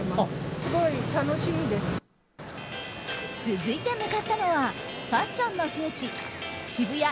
続いて向かったのはファッションの聖地ＳＨＩＢＵＹＡ